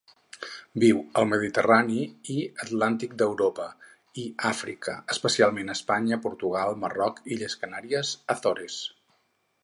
Viu al Mediterrani i Atlàntic d'Europa i Àfrica, específicament Espanya, Portugal, Marroc, illes Canàries, Açores.